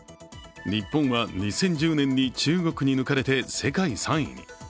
日本は２０１０年に中国に抜かれて世界３位に。